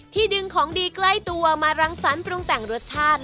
ดึงของดีใกล้ตัวมารังสรรค์ปรุงแต่งรสชาติ